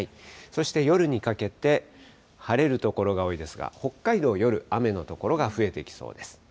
そして夜にかけて、晴れる所が多いですが、北海道、夜、雨の所が増えてきそうです。